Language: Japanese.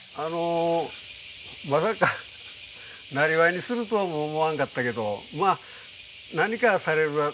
まさかなりわいにするとは思わんかったけどまあ何かされるだろうなと。